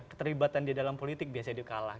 keterlibatan dia dalam politik biasanya dia kalah